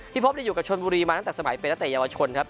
พบอยู่กับชนบุรีมาตั้งแต่สมัยเป็นนักเตะเยาวชนครับ